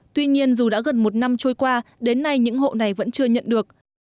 tuy nhiên dù đã gần một năm trôi qua đến nay những hộ này vẫn chưa nhận được